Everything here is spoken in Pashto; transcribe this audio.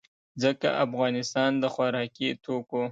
ځکه افغانستان د خوراکي توکو